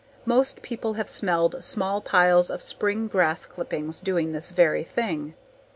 Most people have smelled small piles of spring grass clippings doing this very thing.